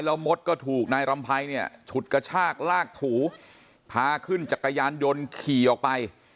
แล้วมดก็ถูกนายรำไพรเนี่ยฉุดกระชากลากถูพาขึ้นจักรยานยนต์ขี่ออกไป